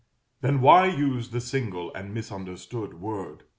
Then why use the single and misunderstood word?